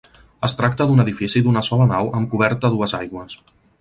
Es tracta d'un edifici d'una sola nau amb coberta a dues aigües.